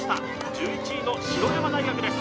１１位の白山大学です